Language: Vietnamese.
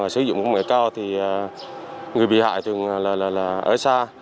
sử dụng công nghệ cao thì người bị hại thường ở xa